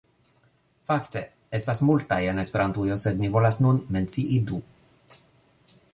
Fakte, estas multaj en Esperantujo sed mi volas nun mencii du